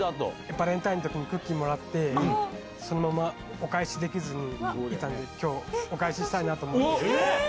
バレンタインのときクッキーもらって、そのお返しできずにいたので、きょう、お返ししたいなえー！